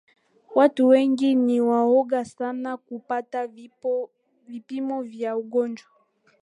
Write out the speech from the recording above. Watu wengi ni waoga sana wa kupata vipimo vya ugonjwa